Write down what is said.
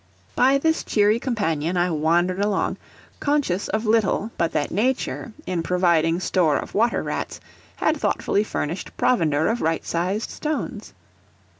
By this cheery companion I wandered along, conscious of little but that Nature, in providing store of water rats, had thoughtfully furnished provender of right sized stones.